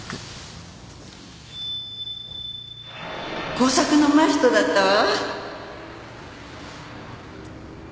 工作のうまい人だったわ